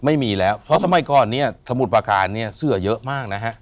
ไม่มีแล้วเพราะสมัยก่อนเนี่ยสมุทรประการเนี่ยเสือเยอะมากนะฮะ